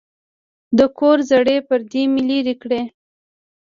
د کور زړې پردې مې لرې کړې.